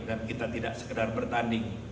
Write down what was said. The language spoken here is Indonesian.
dan kita tidak sekedar bertanding